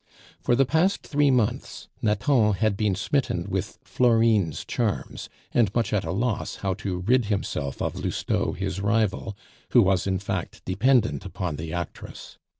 For the past three months Nathan had been smitten with Florine's charms, and much at a loss how to rid himself of Lousteau his rival, who was in fact dependent upon the actress.